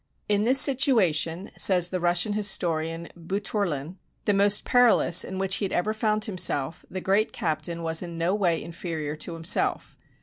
"In this situa tion," says the Russian historian Boutourlin, "the most perilous in which he had ever found himself, the great captain was in no way inferior to himself.